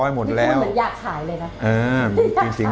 เหรอจริง